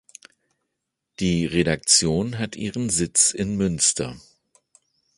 Die Redaktion hat ihren Sitz in Münster.